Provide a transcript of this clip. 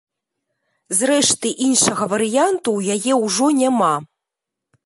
Зрэшты, іншага варыянту ў яе ўжо няма.